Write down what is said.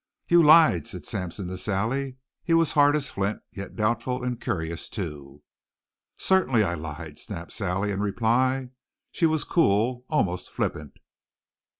"You lied!" said Sampson to Sally. He was hard as flint, yet doubtful and curious, too. "Certainly I lied," snapped Sally in reply. She was cool, almost flippant.